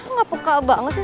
ngapa kabar sih sama dia